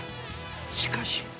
しかし。